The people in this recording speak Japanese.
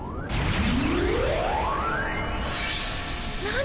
何？